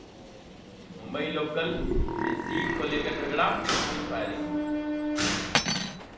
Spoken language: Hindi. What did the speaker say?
मुम्बई लोकल में सीट को लेकर झगड़ा और फिर फायरिंग